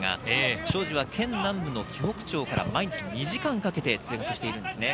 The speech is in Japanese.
庄司は県南部のきろく町から毎日２時間かけて、通学しています。